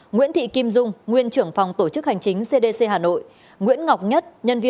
nguyễn thị kim dung nguyên trưởng phòng tổ chức hành chính cdc hà nội